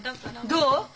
どう？